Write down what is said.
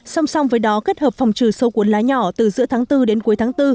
song song với đó kết hợp phòng trừ sâu cuốn lá nhỏ từ giữa tháng bốn đến cuối tháng bốn